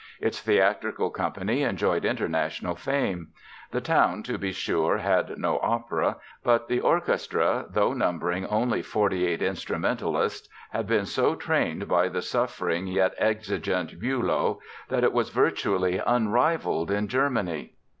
Its theatrical company enjoyed international fame. The town, to be sure, had no opera, but the orchestra, though numbering only 48 instrumentalists, had been so trained by the suffering yet exigent Bülow that it was virtually unrivalled in Germany.